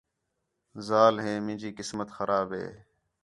ذال ہِے مینجی قسمت خراب ہِے